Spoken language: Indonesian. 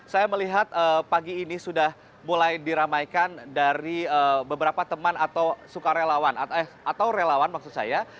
saya melihat pagi ini sudah mulai diramaikan dari beberapa teman atau sukarelawan atau relawan maksud saya